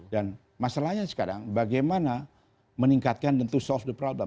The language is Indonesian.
dan masalahnya sekarang bagaimana meningkatkan dan to solve the problem